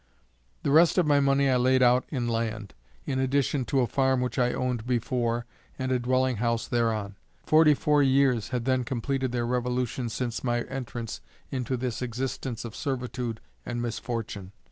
The rest of my money I laid out in land, in addition to a farm which I owned before, and a dwelling house thereon. Forty four years had then completed their revolution since my entrance in to this existence of servitude and misfortune.